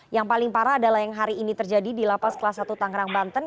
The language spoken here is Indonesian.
yang paling parah adalah yang hari ini terjadi di lapas kelas satu tangerang banten